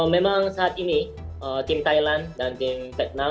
memang saat ini tim thailand dan tim vietnam